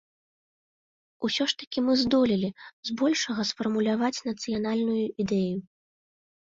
Усё ж такі мы здолелі, збольшага, сфармуляваць нацыянальную ідэю.